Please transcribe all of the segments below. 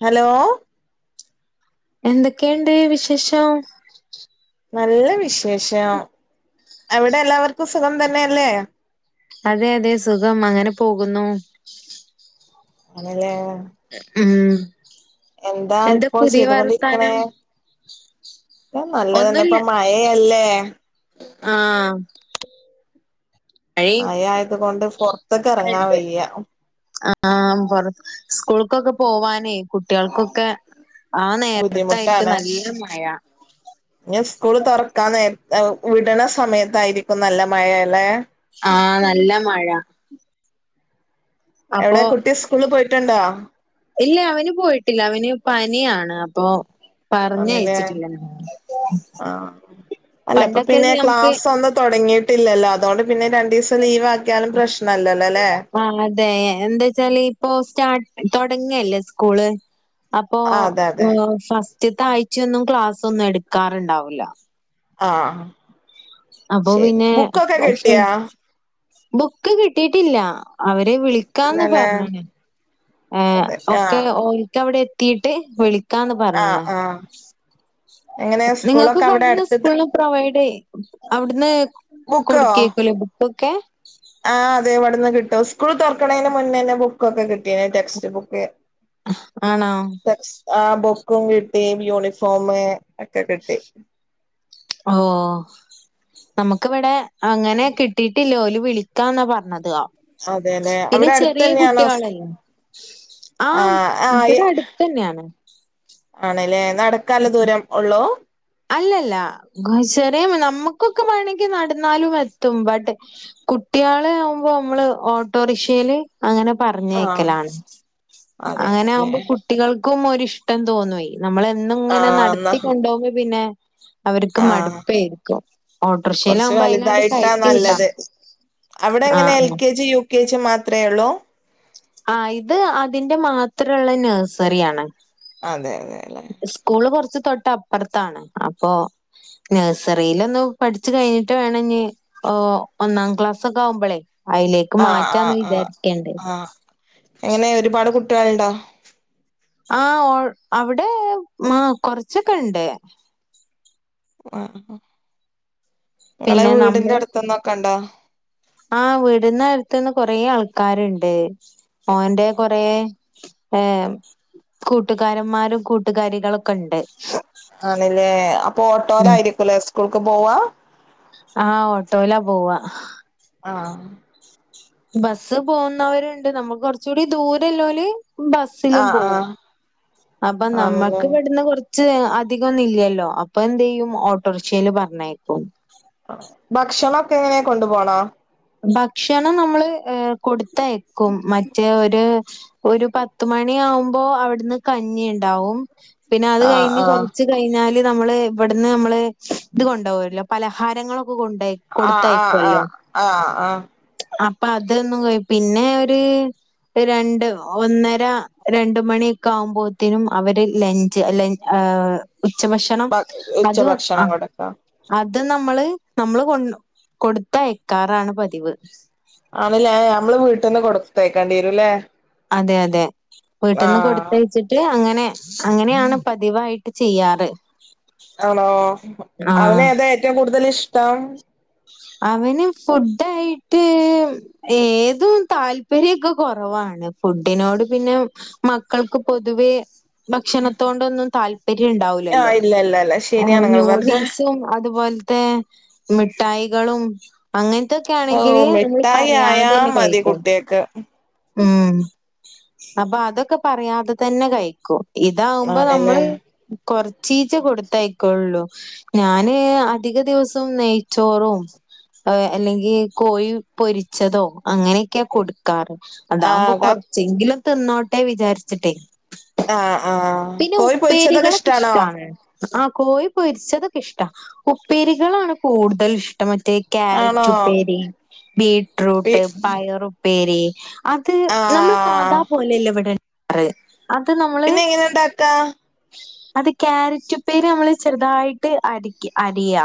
Hello എന്തൊക്കെയുണ്ട് വിശേഷം നല്ല വിശേഷം അവിടെ എല്ലാവർക്കും സുഖം തന്നെയല്ലേ അതെ അതെ സുഖം അങ്ങനെ പോകുന്നു ആണല്ലേ ഉം എന്താ ഇപ്പൊ പുതിയ ചെയ്തു കൊണ്ടിരിക്കണേ വർത്താനം? നല്ലതന്നെ ഇപ്പൊ മഴയല്ലേ [unintelligible] ആ മയ ആയതു കൊണ്ടു പുറത്തക്ക് എറങ്ങാ വയ്യ ആ പുറ സ്കൂൾക്കൊക്കെ പോവാനേ കുട്ടികൾക്കൊക്കെ ആ നേരത്തായിരിക്കും ബുദ്ധിമുട്ടാണ് നല്ല മഴ ന്ന സ്കൂൾ തുറക്കാൻ നേരത്തേ വിടണ സമയത്തായിരിക്കും നല്ല മഴയല്ലേ ആ നല്ല മഴ അപ്പൊ എവിടെ കുട്ടി സ്കൂളി പോയി ട്ടുണ്ടോ ഇല്ല അവന് പോയിട്ടില്ല അവന് പനിയാണ് അപ്പൊ ആണല്ലേ പറഞ്ഞയച്ചിട്ടില്ല ആ അല്ല അപ്പൊ പണ്ടൊക്കെ പിന്നെ നമുക്ക് ക്ലാസ് ഒന്ന് തുടങ്ങിട്ട് ല്ലോ അതോൊണ്ട് അല്ലെ ആ അതെ എന്താ വച്ചാല് ഇപ്പോ സ്റ്റാർ തൊടങ്ങല്ലേ സ്കൂൾ അപ്പൊ ആഹ് അതെ അതെ ഇത്തിരി ആഴ്ചയൊന്നും ക്ലാസ് ഒന്നും എടുക്കാറുണ്ടാവില്ല ആ അപ്പൊ പിന്നെ ബുക്ക് കിട്ടിട്ടില്ല അവരെ വിളിക്കാന്ന് ഇല്ലല്ലേ പറഞ്ഞാണ് അതെ ഒക്കെ ആഹ് ഓക്ക് അവിടെ എത്തിയിട്ട് വിളി ക്കാന്ന് പറഞ്ഞണ ആഹ് ആഹ് എങ്ങനെ നിങ്ങൾക്ക് സ്കൂളൊക്കെ അവിടെ കുന്ന അടുത്ത് സ്കൂളും പ്രൊവൈഡ് ചെയ അവിടന്ന് ബുക്കോ കുടുക്കുവായിരിക്കും ബുക്ക്‌ ക ന്ന് കിട്ടോ സ്കൂൾ തുറക്കണന് മുന്നേന്നെ പോ ബുക്ക ഒക്കെ കിട്ടിയ ടെക്സ്റ്റ് ബുക്ക് ആണോ ക്കും കിട്ടി യുണിഫോം അതൊക്കെ കിട്ടി ഓ നമുക്കിവിടെ അങ്ങനെ കിട്ടിയിട്ടിലോലും വിളിക്കാന്നാ പറഞ്ഞത് അതെല്ലേ പിന്നെ അവിടെ അടുത്ത ചെറിയ തന്നെയണോ കുട്ടികളല്ലേ [inaudible] ആ ആം ആ ഇവിടെ അടുത്തന്നെയാണ് ആണല്ലേ നടക്കാല ദൂരം ഉള്ളോ അല്ലല്ല ചെറിയ നമ്മുക്കൊക്കെ വേണമെങ്കിൽ നടന്നാലും എത്തും ബട്ട് കുട്ടികള് ആവുമ്പോ നമ്മള് ഓട്ടോറിക്ഷയില് അങ്ങനെ ആഹ് പറഞ്ഞക്കലാണ് അതെ അങ്ങനെ അതെല്ലേ ആകുമ്പോ കുട്ടികൾക്കും ഒരു ഇഷ്ടം തോന്നുവയി നമ്മളും ഇങ്ങനെ ആഹ് എന്നാ നടത്തി കൊണ്ടുപകുമ്പോ പിന്നെ അവർക്ക് ആഹ് മടുപ്പായിരിക്കും ഓട്ടോറിക്ഷയില കൊറച്ച് ആകുമ്പോ ആയിനെങ്ങാട്ട് വലുതായിട്ടാ കയറ്റി വിട്ടാൽ നല്ലത് മതി ആഹ് ആഹ് അത്രേ ഉള്ളോ ആ ഇത് അതിന്റെ മാത്രമുള്ള നഴ്സറിയാണ് അതെ അതെ അല്ലെ സ്കൂള് കുറച്ച് സ് തൊട്ട് അപ്പുറത്താണ് അപ്പൊ നഴ്സറിൽ ഒന്ന് പഠിച്ചു കഴിഞ്ഞിട്ട് വേണം ഇനി ഒന്നാം ക്ലാസ് ഒക്കെ ആകുമ്പോളേ ആഹ് ആഹ് ആ ആ എങ്ങനെ ഒരുപാട് കു വേണ്ട ആ അവിടെ ആഹ് കൊറച്ചൊക്കെ ഇണ്ട് ആഹ് നിങ്ങളെ പിന്നെ വീടിന്റെ നമ്മള് അടുത്ത്ന്നൊക്കെ ഉണ്ടോ ആഹ് വിടിന് തിന്ന് കൊറെ ആൾക്കാരുണ്ട് ഓന്റെ കുറേ ഏഹ് കൂട്ടുകാരന്മാരും കൂട്ടുകാരികളൊക്കെ ഉണ്ട് ആണല്ലേ അപ്പൊ ഓട്ടോയില് ആയിരിക്കൂല്ലേ സ്കുൾക്ക് പോവാ ആഹ് ഓട്ടോയിലാ പോവ ആഹ് ബസ് പോകുന്നവരുണ്ട് നമ്മുക്ക് കുറച്ച കൂടി ദൂരല്ലോല് ബസ്സിലും ആഹ് പോകവും ആഹ് അപ്പൊ ആണല്ലേ നമ്മുക്ക് പെടുന്ന കുറച്ച് അധികം ഒന്നും ഇല്ലല്ലോ അപ്പൊ എന്ത് ചെയ്യും ഓട്ടോറിഷയിൽ പറഞ്ഞ് ആയിക്കും ഭക്ഷണം ഒക്കെ എങ്ങനെയാ കൊണ്ടു പോണ [unintelligible] ഭക്ഷണം നമ്മള് കൊടുത്തയക്കും മറ്റേ ഒരു ഒരു പത്ത് മണി ആകുമ്പോ അവിടുന്ന് കഞ്ഞി ഉണ്ടാവും പിന്നെ അത് ആഹ് കഴിഞ്ഞ് ആഹ് കൊറച്ച് കഴിഞ്ഞാല് നമ്മള് ഇവിന്ന് നമ്മള് ഇത് കൊണ്ടുപോവല്ലോ പലഹാരങ്ങള ഓകെ കൊണ്ടുപോയി ആഹ് കൊടുത്തയക്കുവല്ലോ ആഹ് ആഹ് ആഹ് ആഹ് അപ്പൊ അതൊന്നും പിന്നെ ഒരു രണ്ട് ഒന്നര രണ്ട് മണിയൊക്കെ ആവുമ്പോത്തേനും അവര് ലഞ്ച് ലഞ്ച് ആഹ് ഉച്ചഭക്ഷണം ഉച്ച അത് ആ ഭക്ഷണം കൊടുക്കാം അത് അത് നമ്മള് നമ്മള് കൊ കൊടുത്തയ ക്കാറാണ് പതിവ് ആണല്ലേ നമ്മള് വീട്ടീന്ന് കൊടുത്തയക്കേണ്ടി ഇല്ലേ അതെ അതെ വീട്ടീന്ന് കൊടുത്തയച്ചിട്ട് അങ്ങനെ അങ്ങനെയാണ് പതിവായി ചെയ്യാറ് ആണോ അവന് ആഹ് ഏതാ ഏറ്റവും കൂടു കൂടുതല് ഇഷ്ടം അവന് ഫുഡായിട്ട് ഏതും താല്പര്യൊക്കെ കുറവാണ് ഫുഡിനോട് പിന്നെ മക്കൾക്ക് പൊതുവേ ഭക്ഷണത്തോണ്ടൊന്നും താൽ ര്യം ഇണ്ടാവില്ലല്ലോ ആഹ് ഇല്ല ഇല്ല ഇല്ല ശരിയാണ് നിങ്ങൾ പറഞ്ഞെ നൂഡിൽസും അതുപോലെ ത്തെ മിഠായി കളും അങ്ങന ഓ മിഠായി ആയാ മതി കഴിക്കും കുട്ടിൾക്ക് ഉം അപ്പൊ അതൊക്കെ പറയാതെ തന്നെ കഴിക്കും ഇതാകുമ്പോ ആണല്ലേ നമ്മള് കൊറ ചീച്ച കൊടുത്തയക്കോള്ളൂ ഞാന് അധിക ദെവസോം നെയ്ച്ചോറും അല്ലെങ്കി കോഴി പൊരിച്ചതോ അങ്ങനെയൊക്കെയാ കൊടുക്കാറ് അതാകുമ്പോ ആഹ് കൊറച്ചെങ്കിലും തിന്നോട്ടെ വിചാരിച്ചിട്ടേ ആ ആ പിന്നെ കോഴി പൊരിച്ചതൊക്കെ ഉപ്പേരികളൊക്കെ ഇഷ്ടാണോ ഇഷ്ടാണ്. ആ കോഴി പൊരിച്ചതൊക്കെ ഇഷ്ടാ ഉപ്പേരികളാണ് കൂടുതൽ ഇഷ്ട [unintelligible] ആണോ കാരറ്റുപ്പേരീ പി ബീറ്റ്റൂട്ട് പയറു പേരീ അത് നമ്മള് ആഹ് സാധാ പോലല്ലെവിടെ അതെ പിന്നെ എങ്ങനെ ഇണ്ടാക്കാ അത് ക്യാരറ്റുപ്പേരീ നമ്മള് ചെറുതായിട്ട് അരിക്ക അരിയാ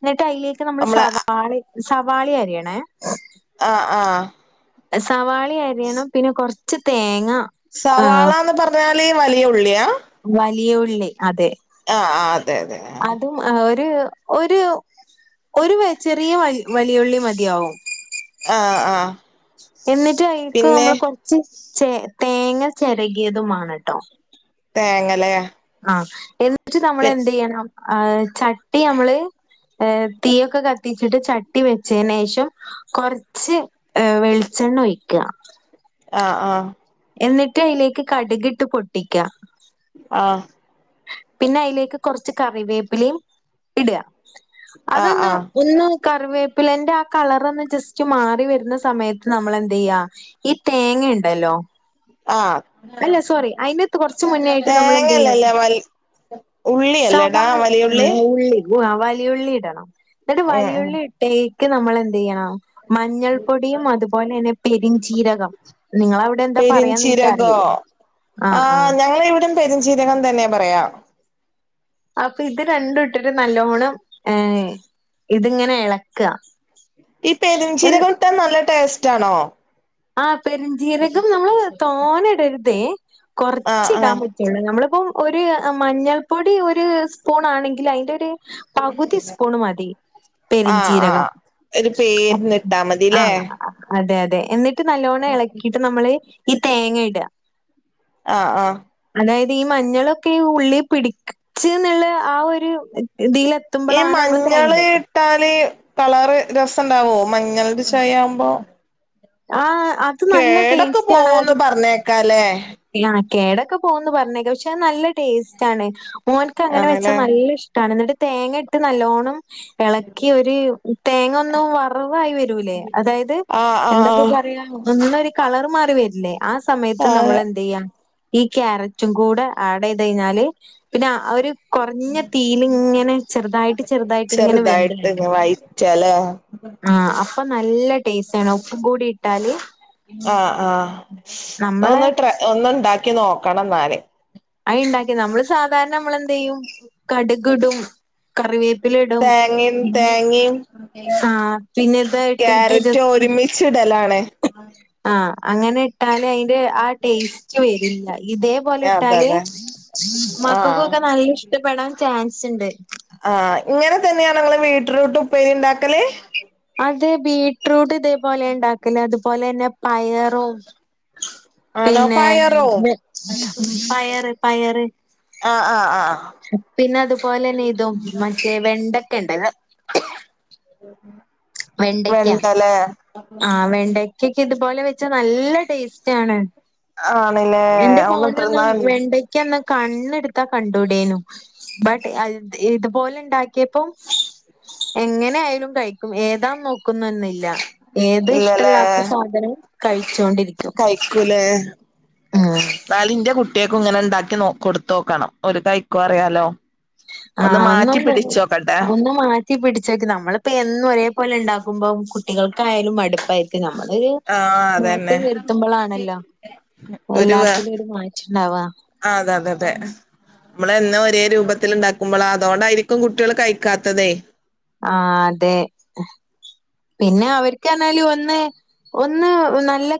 എന്നിട്ട് അ നമ്മള് നമ്മളെ സവാളേം സവാളി അരിയണെ ആ സവാൾ ളി അരിയെണം പിന്നെ കൊറ ച്ച് തേങ്ങ ആ സവാളാന്ന് പറഞ്ഞാല് വലിയ ഉ ള്ളിയാ ല്ലെ ആ അ അതെ [unintelligible] ഒര് ഒര് ഒരു വെ ചെറിയ വലിയുള്ളി മതിയാവും ആ ആ എന്നിട്ട് അയീക്ക് നമ്മള് കൊറച്ച് ചേ തേങ്ങ ചെരകിയതും മാണട്ടൊ തേങ്ങലെ അ എന്ന് ച്ച് നമ്മളെന്ത്യ്യണം ആ ചട്ടി മ്മള് ഏ തീയൊക്കെ കത്തിച്ചിട്ട് ചട്ടി വെച്ചെനെഷം കൊറച്ച് ഏ വെളിച്ചെണ്ണ ഒഴിക്ക്ക ആ ആ എന്നിട്ട് അയിലേക്ക് കട്‌കിട്ട് പൊട്ടിക്ക ആഹ് പിന്നെ അയിലേക്ക് കൊറച്ച് കറിവേപ്പിലയിം ഇട്ക ആഹ് അതൊന്ന് ആഹ് ഒന്ന് കറിവേപ്പിലന്റെ ആ കളറൊന്ന് ജസ്റ്റ് മാറി വര്ന്ന സമയത്ത് നമ്മള് എന്തെയ്യ് ഈ തേങ്ങയിണ്ടല്ലോ ആ കൊറച്ച് മുന്നേയായിട്ട് നമ്മളെന്തെയ്യാ തേങ്ങല്ലെല്ലോ വൽ ഉള്ളിയെല്ലടാ വലിയഉള്ളി ഓ ആ വലിയ ഉള്ളി ഇടണം ന്നിട്ട് ഉം വലിയുള്ളി ഇട്ടെ ക്ക് നമ്മള് എന്ത്യ്യണം മഞ്ഞൾപ്പൊടിയും അതുപോലെന്നെ പെരിഞ്ചീരകം നിങ്ങള അവിടെ എന്താ പറയാന്ന് എനിക്ക് അറിയില്ല ആ ഞങ്ങ ഇവിടം പെരിഞ്ചീരകം തന്നെ പറയാ അപ്പ ഇത് രണ്ടു ഇട്ടിട്ട് നല്ലോണ്ണം ഏ ഇത്ങ്ങനെ എളക്ക് ഈ പെരിഞ്ചീരകട്ടാ നല്ല ടേസ്റ്റ് ആണോ ആ പെരഞ്ചീരകം നമ്മള് വ് തോനെ ഇടര്ത് ആഹ് കൊറച്ച് ആഹ് ഇടാൻ പറ്റ്ള്ളു നമ്മള്പ്പം ഒരു മഞ്ഞൾപ്പൊടി ഒരു സ്പൂൺ ആണെങ്കിൽ ഐന്റെ ഒരു പകുതി സ്പൂണ് മതി ആഹ് ആഹ് പെരിഞ്ചീരകം ഒരു പേരിന് ഇട്ടാ മതില്ലേ ആഹ് അതെ തെ എന്നിട്ട് നല്ലോണം എളക്കീട്ട് നമ്മള് ഈ തേങ്ങ ഇട് അ ആഹ് ആഹ് അതായത് ഈ മഞ്ഞളൊക്കെ ഉള്ളിൽ പിടിക് ച്ച് ന്ന്ള്ള ആ ഒര് ഈ മഞ്ഞള് ഇട്ടാല് കളറ് രസ് ണ്ടാവോ മഞ്ഞളിന്റെ ചൊയാവുമ്പോ ആ കേടൊക്കെ പോവുന്ന് പറഞ്ഞേക്കാ ല്ലെ ല്ല കേടൊക്കെ പോവുന്ന് പറഞ്ഞേക്ക ക്ഷെ അഅ് നല്ല ടേസ്റ്റാണ് മോൻക്ക് അങ്ങനെ വെച്ചാ ആണല്ലേ നല്ല ഇഷ്ട്ടാണ് ന്നട്ട് തേങ്ങട്ട് നല്ലോണ്ണം എളക്കി ഒര് തേങ്ങൊന്ന് വറവായി വരൂലേ അതായത് ആഹ് ആഹ് എന്തപ്പ ആഹ് പറയാ ഒന്നൊ കളറ് മാറി വെര്ല്ലേ ആ സമയത്ത് ആഹ് നമ്മളെ ഈ ക്യാരറ്റും കൂടെ ആഡെയ്തഴ്ഞ്ഞാല് പിന്നെ ആ ഒര് കൊറഞ്ഞ തീയ്യിലിങ്ങനെ ചെർതായിട്ട് ചെർതായിട്ട് ഇങ്ങനെ വെന്ത്‌ ചെറുതായിട്ട് ഇങ്ങ് വരും ആ പ്പന ആ ആ നമ്മളെ ഒന്ന്ട്രൈ ഒന്ന്ണ്ടാ ക്കി നോക്കണന്നാല് അഅ്ണ്ടാക്കിയ നമ്മള് സാധാരണ നമ്മളെന്തെയ്യും കടുകിടും കറിവേ തേങ്ങിം തേങ്ങിം ആഹ് പിന്നെ ഇത് ഇട്ടിട്ട് ക്യാരറ്റ് ഒരുമിച്ചിടലാണ് [unintelligible] ആ അങ്ങനെ ട്ടാല് അയ്ൻ്റെ ആ ടേസ്റ്റ് വെരില്ല ഇതേപോലെ അതെ ഇട്ടാല് അതെ ആഹ് മക്കക്കൊക്കെ നല്ല ഇഷ്ടപ്പെടാൻ ചാൻ ച്ച്ണ്ട് ആ ഇങ്ങനെ തന്നെണോ ങ്ങള് വീട്ട്റൂട്ടുപ്പേരി ണ്ടാക്കല് അത് ബീറ്റ്റൂട്ട് ഇത്പോലെ ണ്ടാക്കല് അതുപോലെന്നെ പയറോ ആണോ പിന്നെ പയറോ പയറ് പയറ് ആഹ് ആഹ് ആഹ് പിന്നെ അത്പോലെ ന്നെ ഇതും മറ്റേ വെണ്ട [unintelligible] ഉം വെണ്ടക്ക്യ ആ വെണ്ടക്ക്യക്കെ ഇത്പോലെ വെ ച നല്ല ടേസ്റ്റാണ് ആണ്ല്ലേ എന്റെ മോനൊന്നും ഓനെത്രന്നാൾ വെണ്ടയ്ക്കൊന്നും കണ്ണെടുത്താ കണ്ടൂടേനു ബട്ട് അൽ ഇത്പോലെ ണ്ടാ ക്ക്യപ്പം എങ്ങനെയാലും കഴിക്കും ഏ ഇതാൻ നോക്കുന്നു എന്നില്ല ഏത് ഇല്ലല്ലേ ഇഷ്ടല്ലാത്ത സാധ നൊംകഴിച്ചോണ്ടിരിക്കും ന്നാൾ ഇന്റെ കു ട്ട്യേക്കും ഇങ്ങനെ ഇണ്ടാക്കി നോ കൊടുത്ത് നോക്കണം ഒരു കഴിക്കോ അറിയാലോ ആ ഒന്ന് മാറ്റി ഒന്നും പിടിച്ചോക്കട്ടെ ഒന്ന് മാറ്റി പിടിച്ചേക്ക് നമ്മളപ്പോ എന്നും ഒരേ പോലെ ഇണ്ടാക് ക്കുമ്പം കുട്ടികൾക്കായാലും മടുപ്പായിരിക്കും ന ആ അതന്നെ ഒരു അ എല്ലാത്തിലും ഒരു മാറ്റണ്ടാവാ. അതെ അതെ അതെ നമ്മള് എന്നും ഒ തേ രൂപത്തിൽ ഉണ്ടാക്കുമ്പോള അതോണ്ടായിരിക്കും കുട്ട്യേൾ കഴിക്കാത്തതെ ആഹ് അതെ പിന്നെ അവർക്ക് റഞ്ഞാൽ ഒന്ന് ഒന്ന് നല്ല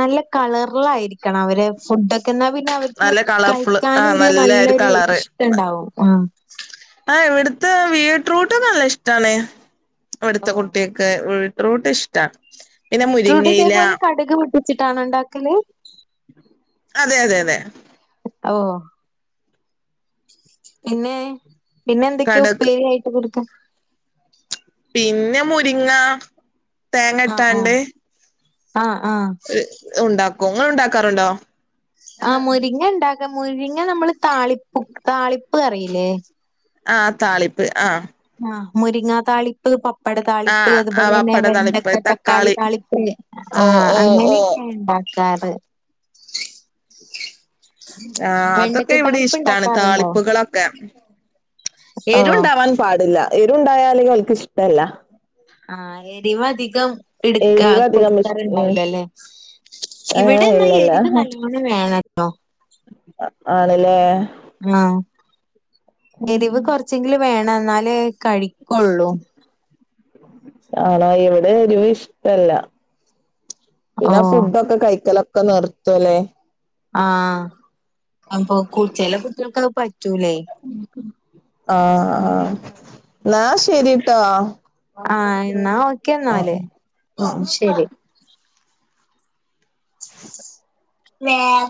നല്ല കളറ്ലായിരിക്കണം അവര് ഫുഡ് ക്കെന്ന പിന്നെ അവർക്ക് നല്ല കളർഫുള് കഴിക്കാൻ ആഹ് ഒരു നല്ല നല്ലൊരു കളറ് ഇഷ്ടണ്ടാവും ആ ആഹ് ഇവിടത്തെ ബീറ്റ്‌റൂട്ട് നല്ല ഇഷ്ടാണ് വെട്ത്ത കുട്ട്യേൾക്ക്‌ ഉം റൂട്ട് ഇഷ്ട ബീട്രൂട്ട് ഇതേപോലെ കട്ക് [unintelligible] ടും വച്ചിട്ടാണൊണ്ടാക്കല് അതെ അതെ അതെ ഓ പിന്നെ പിന്നെ എന്തൊക്കെയ കടക് ഉപ്പേര്യായിട്ട് കൊട് കും പിന്നെ മുരിങ്ങ ആഹ് ആഹ് തേങ്ങട്ടാണ്ട് ആഹ് ആഹ് ഇ ഉണ്ടാക്കും ഇങ്ങൾ ഉണ്ടാ ക്കറുണ്ടോ ആ മുരിങ്ങണ്ട ല്ല മുരിങ്ങ നമ്മള് താളിപ്പും താളിപ്പ് അറീല്ലേ ആ താളിപ്പ് ആ ആ മുരിങ്ങാ താളിപ്പ് പപ്പട താളിപ്പ് ആഹ് ആഹ് അതുപോലെ തന്നെ പപ്പട താളിപ്പ് വെണ്ടക്ക തക്കാളി താളിപ്പ് ആ ഓ ഓ ഓ അങ്ങനെയൊക്കെ ഉണ്ടാക് [inaudible] ആ അതൊക്കെ ഇവിടെ ഇഷ്ടാണ് ഇണ്ടാക്കാറുണ്ടോ? താളിപ്പുകളൊക്കെ ഓഹ് എരുണ്ടാവാൻ പാടില്ല എരുണ്ടായാൽ ഓല്ക്ക് ഇഷ്ടല്ല ആ എരിവധികം എടുക്ക എരിവധികം ഇഷ് ഉം കൊടുക്കാറുണ്ടാവൂലല്ലെ ഇവിടെ ഏഹ് എന്നാ ഇല്ലല്ല എരിവ് നല്ലോണം വേണട്ടോ ആണ്ല്ലേ ആഹ് എരിവ് കൊറച്ചെങ്കിലും വേ ണം അന്നാലേ കഴിക്കൊള്ളൂ ആണോ ഇവിടെ എരിവ് ഇഷ്ടല്ല പിന്നെ ഓഹ് ഫുഡ ഒക്കെ കഴിക്കല ഒക്കെ നിർത്തുല്ലേ ആഹ അപ്പൊ കു ചെല കുട്ടികൾക്ക അത് പ റ്റുലെ ആഹ് ആഹ് എന്നാ ശരിട്ടോ ആഹ എന്നാ ആഹ് ഓക്കെന്നാല് ശ് ആഹ് ശരി [unintelligible]